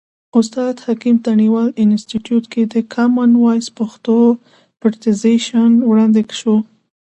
استاد حکیم تڼیوال انستیتیوت کې د کامن وایس پښتو پرزنټیشن وړاندې شو.